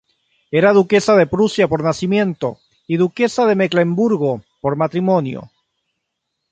Era duquesa de Prusia por nacimiento y duquesa de Mecklemburgo por matrimonio.